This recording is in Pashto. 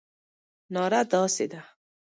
ناره داسې ده.